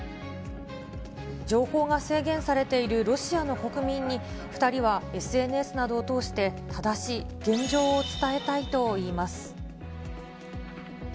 情報が制限されているロシアの国民に、２人はＳＮＳなどを通して、正しい現状を伝えたいといいます。